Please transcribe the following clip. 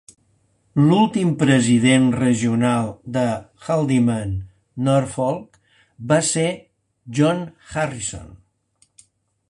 L'últim president regional de Haldimand-Norfolk va ser John Harrison.